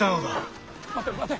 待て待て。